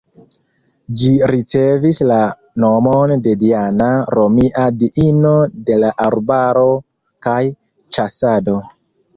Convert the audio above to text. Ĝi ricevis la nomon de Diana, romia diino de la arbaro kaj ĉasado.